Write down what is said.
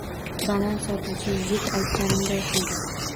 Banan sotuvchi yigit aytganimday qildi.